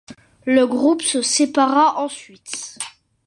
Le groupe se sépara ensuite.